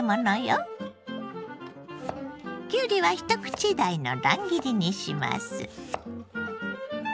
きゅうりは一口大の乱切りにします。